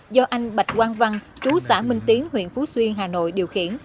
do anh bạch quang văn chú xã minh tiến huyện phú xuyên hà nội điều khiển